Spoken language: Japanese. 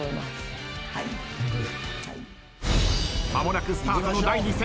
間もなくスタートの第２戦。